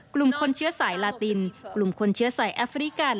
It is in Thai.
กลุ่มคนเชื้อสายลาตินกลุ่มคนเชื้อสายแอฟริกัน